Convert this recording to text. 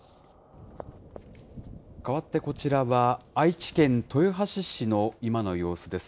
かわってこちらは、愛知県豊橋市の今の様子です。